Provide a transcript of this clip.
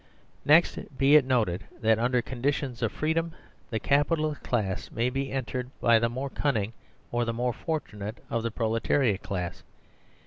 Next be it noted that under conditions of freedom the Capitalist class may be entered by the more cun ning or the more fortunate of the proletariat class.